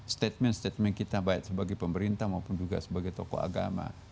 statement statement kita baik sebagai pemerintah maupun juga sebagai tokoh agama